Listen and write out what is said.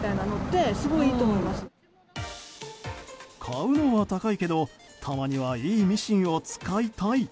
買うのは高いけどたまにはいいミシンを使いたい。